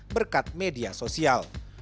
berkat media sosial